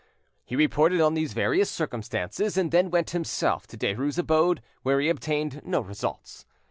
He reported on these various circumstances, and then went himself to Derues' abode, where he obtained no results.